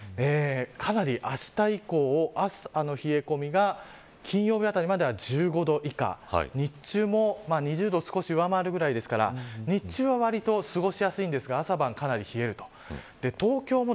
かなり、あした以降朝の冷え込みが金曜日あたりまでは１５度以下日中も２０度少し上回るくらいですから日中は、わりと過ごしやすいんですが、朝晩かなり冷えると。